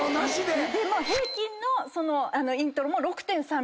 平均のイントロも６．３秒。